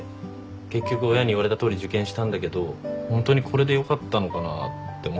結局親に言われたとおり受験したんだけどホントにこれでよかったのかなって思ってて。